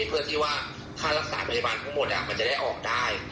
เพื่อที่ว่าค่ารักษาพยาบาลทั้งหมดมันจะได้ออกได้